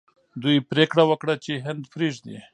دوی پریکړه وکړه چې هند پریږدي.